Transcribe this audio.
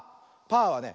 パーはね